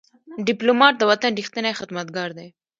ډيپلومات د وطن ریښتینی خدمتګار دی.